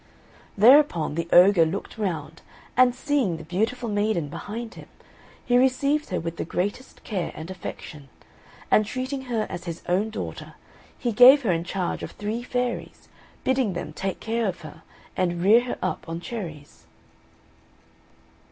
Thereupon the ogre looked round and seeing the beautiful maiden behind him, he received her with the greatest care and affection; and treating her as his own daughter, he gave her in charge of three fairies, bidding them take care of her, and rear her up on cherries.